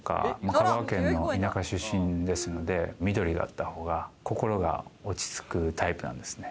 香川県の田舎出身ですので、緑があった方が心が落ち着くタイプなんですね。